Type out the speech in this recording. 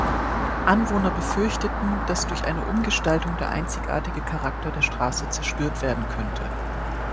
Anwohner befürchteten, dass durch eine Umgestaltung der einzigartige Charakter der Straße zerstört werden könnte.